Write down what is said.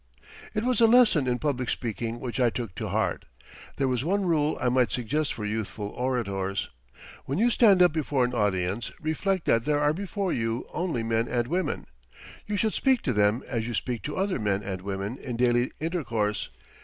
It was a lesson in public speaking which I took to heart. There is one rule I might suggest for youthful orators. When you stand up before an audience reflect that there are before you only men and women. You should speak to them as you speak to other men and women in daily intercourse.